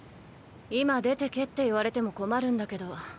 今出てけって言われても困るんだけど。